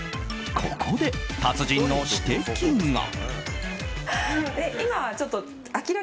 ここで、達人の指摘が。